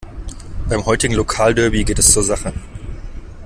Beim heutigen Lokalderby geht es zur Sache.